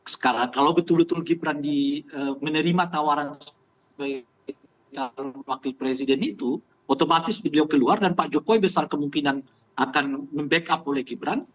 sekarang kalau betul betul gibran menerima tawaran sebagai calon wakil presiden itu otomatis beliau keluar dan pak jokowi besar kemungkinan akan membackup oleh gibran